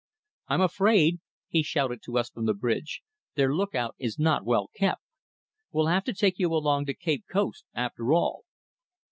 "I'm afraid," he shouted to us from the bridge, "their look out is not well kept. We'll have to take you along to Cape Coast, after all."